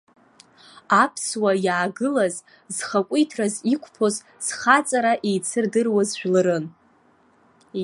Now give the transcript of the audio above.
Аԥсуаа, иаагылазар зхақәиҭраз иқәԥоз, зхаҵара еицырдыруаз жәларын.